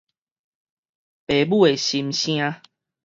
父母的心聲